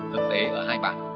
thực tế ở hai bản